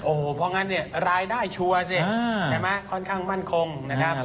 โอ้โหเพราะงั้นเนี่ยรายได้ชัวร์สิใช่ไหมค่อนข้างมั่นคงนะครับ